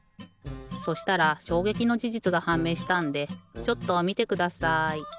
そしたらしょうげきのじじつがはんめいしたんでちょっとみてください。